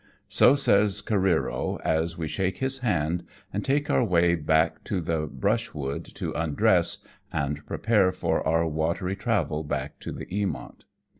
So says Careero, as we shake his hand, and take our way back to the brushwood to undress, and prepare for our watery travel back to the Eamont.